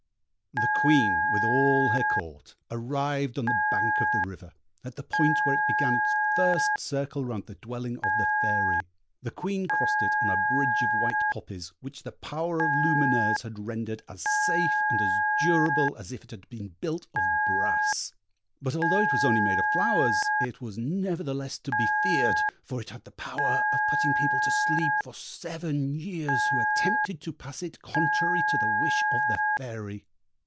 The Queen, with all her Court, arrived on the bank of the river, at the point where it began its first circle round the dwelling of the Fairy. The Queen crossed it on a bridge of white poppies, which the power of Lumineuse had rendered as safe and as durable as if it had been built of brass. But although it was only made of flowers, it was nevertheless to be feared, for it had the power of putting people to sleep for seven years who attempted to pass it contrary to the wish of the Fairy.